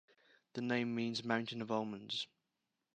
The name means 'mountain of almonds'.